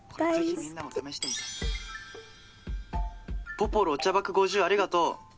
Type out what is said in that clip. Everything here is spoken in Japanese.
ぽぽろお茶爆５０ありがとう。